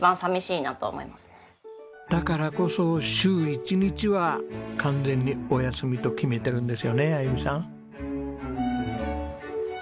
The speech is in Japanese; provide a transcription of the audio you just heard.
だからこそ週１日は完全にお休みと決めてるんですよねあゆみさん。